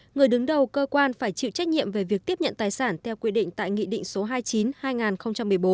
người đứng đầu cơ quan phải chịu trách nhiệm về việc tiếp nhận tài sản theo quy định tại nghị định số hai mươi chín hai nghìn một mươi bốn